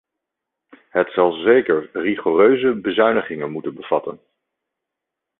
Het zal zeker rigoureuze bezuinigingen moeten bevatten.